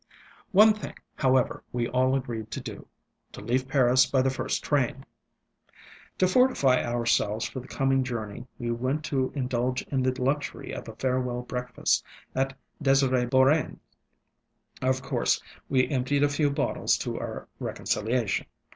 ŌĆ£One thing, however, we all agreed to doŌĆöto leave Paris by the first train. ŌĆ£To fortify ourselves for the coming journey, we went to indulge in the luxury of a farewell breakfast at D├®sir├® BeaurainŌĆÖs. Of course we emptied a few bottles to our reconciliation.